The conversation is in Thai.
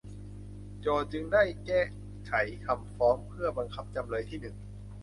โจทก์จึงได้แก้ไขคำฟ้องเพื่อบังคับจำเลยที่หนึ่ง